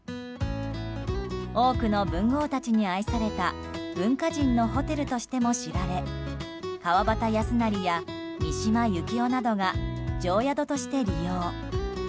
多くの文豪たちに愛された文化人のホテルとしても知られ川端康成や三島由紀夫などが定宿として利用。